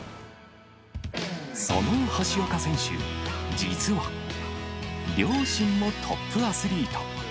そんな橋岡選手、実は、両親もトップアスリート。